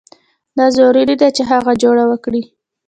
دا ضروري ده چې هغه جوړه وکړي.